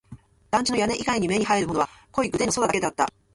団地の屋根以外に目に入るものは濃いグレーの空だけだった